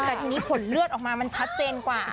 แต่ทีนี้ผลเลือดออกมามันชัดเจนกว่า